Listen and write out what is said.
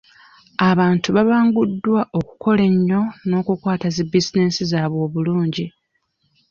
Abantu baabanguddwa okukola ennyo n'okukwata zi bizinesi zaabwe obulungi.